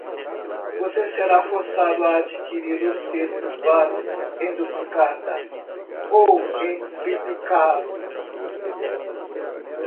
Você será forçado a adquirir os textos básicos em duplicata ou em triplicado?